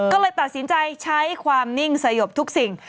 ก็เลยตัดสินใจใช้ความนิ่งสยบทุกสิ่ง